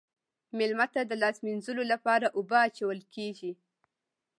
میلمه ته د لاس مینځلو لپاره اوبه اچول کیږي.